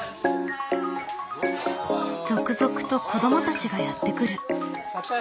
続々と子どもたちがやって来る。